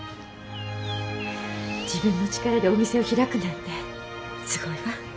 自分の力でお店を開くなんてすごいわ。